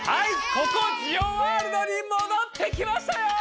ここジオワールドにもどってきましたよ！